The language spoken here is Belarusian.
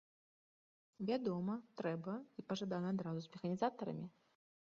Вядома, трэба, і пажадана адразу з механізатарамі!